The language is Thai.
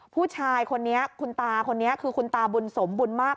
ผู้ชายคนนี้คุณตาคนนี้คือคุณตาบุญสมบุญมาก